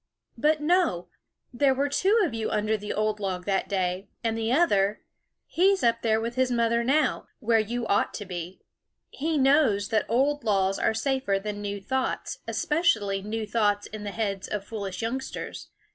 " But no ! there were two of you under the old log that day ; and the other, he 's up there with his mother now, where you ought to be, he knows that old laws are safer than new thoughts, especially new thoughts in the heads of foolish youngsters.